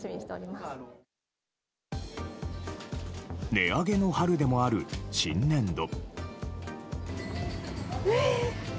値上げの春でもある新年度。